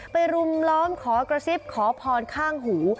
รุมล้อมขอกระซิบขอพรข้างหู